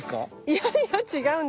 いやいや違うんです。